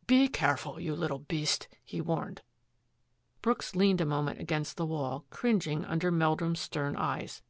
" Be careful, you little beast !" he warned. Brooks leaned a moment against the wall, cring ing under Meldrum's stern eyes.